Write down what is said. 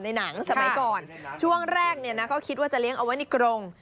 หนังสมัยก่อนช่วงแรกก็คิดว่าจะเลี้ยงเอาไว้ในกรง